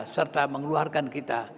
serta mengeluarkan kita